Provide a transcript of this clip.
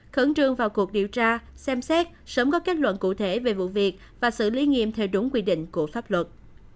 khẩn trương vào cuộc điều tra xem xét sớm có kết luận cụ thể về vụ việc và xử lý nghiêm theo đúng quy định của pháp luật